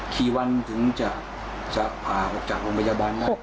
กี่วันถึงจะพาออกจากโรงพยาบาลได้